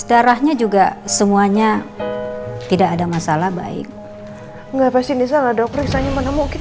darahnya juga semuanya tidak ada masalah baik enggak pasti salah dokter saya mana mungkin